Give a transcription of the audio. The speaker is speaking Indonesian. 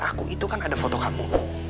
aku itu kan ada foto kamu